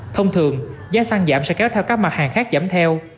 thông thường giá xăng giảm sẽ kéo theo các mặt hàng khác giảm theo